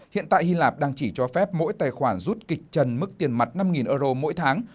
hiện tại hy lạp đang chỉ cho phép mỗi tài khoản rút kịch trần mức tiền mặt năm euro mỗi tháng